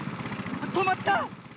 とまった！